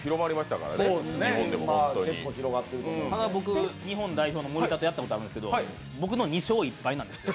ただ僕、日本代表の森田とやったことあるんですけど僕の２勝１敗なんですよ。